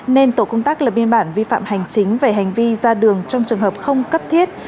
nên tổ công tác lập biên bản vi phạm hành chính về hành vi ra đường trong trường hợp không cấp thiết